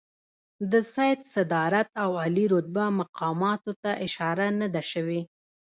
د سید صدارت او عالي رتبه مقاماتو ته اشاره نه ده شوې.